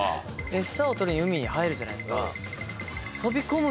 エサを取りに海に入るじゃないですか。